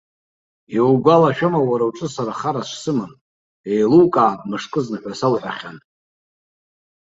Иугәалашәома, уара уҿы сара хара шсымам еилукаап мышкызны ҳәа соуҳәахьан?